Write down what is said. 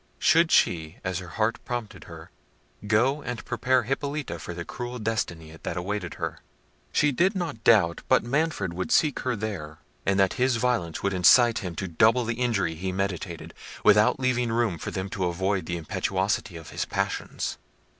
Should she, as her heart prompted her, go and prepare Hippolita for the cruel destiny that awaited her, she did not doubt but Manfred would seek her there, and that his violence would incite him to double the injury he meditated, without leaving room for them to avoid the impetuosity of his passions.